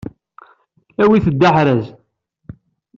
Awit-d aḥraz.